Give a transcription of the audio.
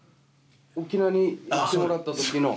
沖縄に行ってもらった時の。